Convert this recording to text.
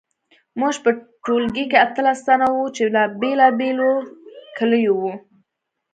موږ په ټولګي کې اتلس تنه وو چې له بیلابیلو کلیو وو